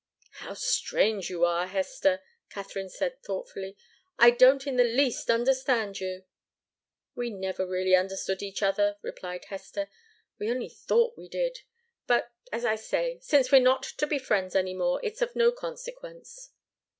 "How strange you are, Hester!" Katharine said, thoughtfully. "I don't in the least understand you." "We never really understood each other," replied Hester. "We only thought we did. But as I say since we're not to be friends any more, it's of no consequence."